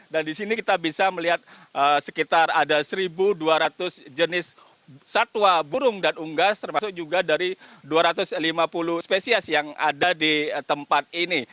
dan di sini kita bisa melihat sekitar ada satu dua ratus jenis satwa burung dan unggas termasuk juga dari dua ratus lima puluh spesies yang ada di tempat ini